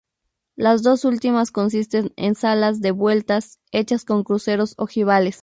Las dos últimas consisten en salas de vueltas, hechas con cruceros ojivales.